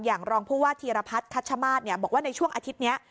รองผู้ว่าธีรพัฒน์คัชมาศบอกว่าในช่วงอาทิตย์นี้